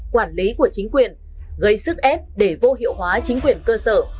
quản lý của chính quyền gây sức ép để vô hiệu hóa chính quyền cơ sở